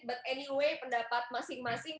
but anyway pendapat masing masing